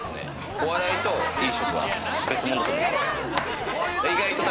お笑いと飲食は別物だと思います。